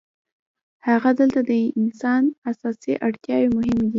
هلته د انسان اساسي اړتیاوې مهمې دي.